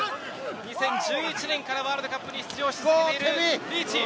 ２０１１年からワールドカップに出場し続けているリーチ。